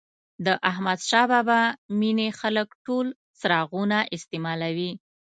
د احمدشاه بابا مېنې خلک ټول څراغونه استعمالوي.